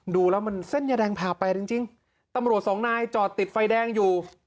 ดูแล้วมันเส้นยาแดงผ่าแปดจริงตำรวจสองนายจอดติดไฟแดงอยู่